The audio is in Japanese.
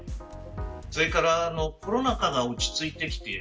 それからコロナ禍が落ち着いてきている。